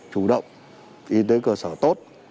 chủ động y tế cơ sở tốt